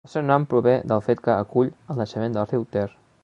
El seu nom prové del fet que acull el naixement del riu Ter.